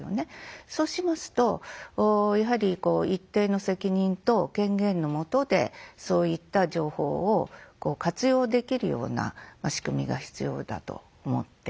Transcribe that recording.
そうしますとやはり一定の責任と権限の下でそういった情報を活用できるような仕組みが必要だと思っています。